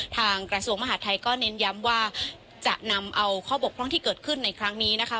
กระทรวงมหาดไทยก็เน้นย้ำว่าจะนำเอาข้อบกพร่องที่เกิดขึ้นในครั้งนี้นะคะ